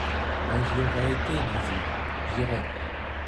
Mais j'y aurais été, Nasie ! J'irai.